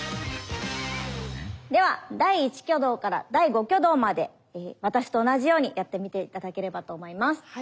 では第１挙動から第５挙動まで私と同じようにやってみて頂ければと思います。